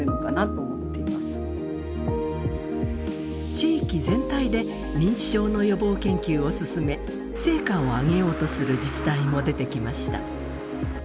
地域全体で認知症の予防研究を進め成果を上げようとする自治体も出てきました。